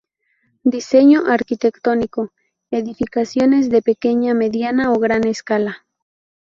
Diseño Arquitectónico: Edificaciones de pequeña, mediana o gran escala.